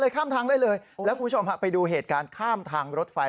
แล้วคุณผู้ชมไปดูเหตุการณ์ข้ามทางรถไฟ